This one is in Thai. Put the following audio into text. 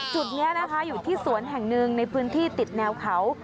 จุดนี้นะคะอยู่ที่สวนแห่งหนึ่งในพื้นที่ติดแนวเขา